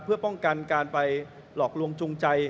เพื่อป้องกันการไปหลอกลวงจูงใจ